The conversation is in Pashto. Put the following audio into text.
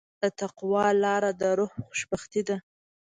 د تقوی لاره د روح خوشبختي ده.